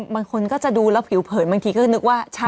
บางคนก็จะดูแล้วผิวเผินบางทีก็นึกว่า